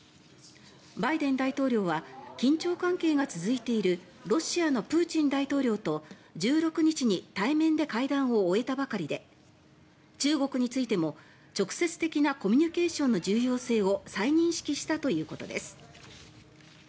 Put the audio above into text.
バイデン大統領は緊張関係が続いているロシアのプーチン大統領と１６日に対面で会談を終えたばかりで中国についても直接的なコミュニケーションの重要性を再認識したということです。